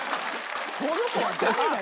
この子は誰だ？